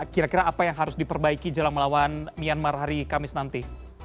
kira kira apa yang harus diperbaiki jelang melawan myanmar hari kamis nanti